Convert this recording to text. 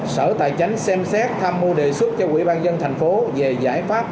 sở tài chánh xem xét tham mưu đề xuất cho quỹ ban dân thành phố về giải pháp